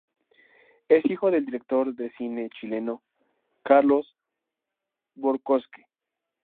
Es hijo del director de cine chileno Carlos Borcosque.